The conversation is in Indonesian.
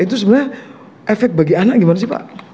itu sebenarnya efek bagi anak gimana sih pak